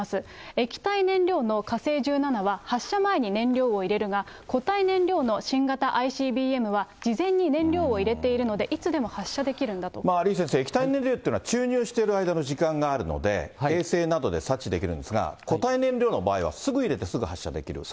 液体燃料の火星１７は発射前に燃料を入れるが、固体燃料の新型ＩＣＢＭは事前に燃料を入れているので、いつでも李先生、液体燃料というのは注入している間の時間があるので、衛生などで察知できるんですが、固体燃料の場合はすぐ入れてすぐ発射できる。